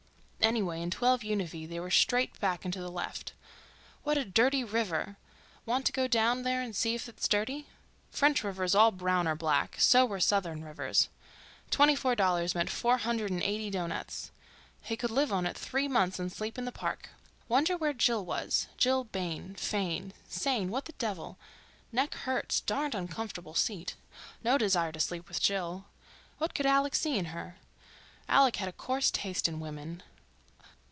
Anyway, in 12 Univee they were straight back and to the left. What a dirty river—want to go down there and see if it's dirty—French rivers all brown or black, so were Southern rivers. Twenty four dollars meant four hundred and eighty doughnuts. He could live on it three months and sleep in the park. Wonder where Jill was—Jill Bayne, Fayne, Sayne—what the devil—neck hurts, darned uncomfortable seat. No desire to sleep with Jill, what could Alec see in her? Alec had a coarse taste in women.